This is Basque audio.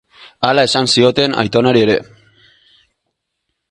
Hala esan zioten aitonari ere.